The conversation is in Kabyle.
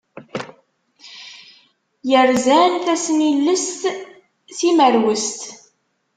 Yerzan tasnilest timerwest.